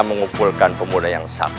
mengumpulkan pemuda yang satu